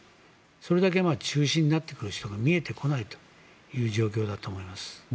それだけ中心になってくる人が見えてこないという状況だと思います。